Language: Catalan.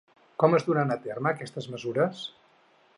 Com es duran a terme aquestes mesures?